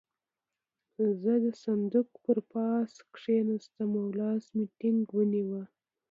زه د صندوق پر پاسه کېناستم او لاس مې ټينګ ونيو.